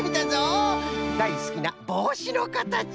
だいすきなぼうしのかたち。